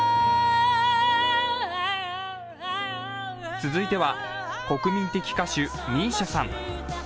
続いては国民的歌手、ＭＩＳＩＡさん。